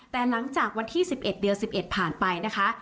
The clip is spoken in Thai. แต่หลังจากวันที่๑๑เดือน๑๑ผ่านไปนะคะ